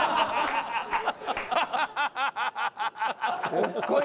すっごい